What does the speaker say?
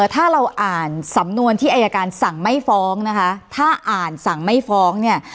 ถ้าเราอ่านสำนวนที่อายการสั่งไม่ฟ้องนะคะถ้าอ่านสั่งไม่ฟ้องเนี่ย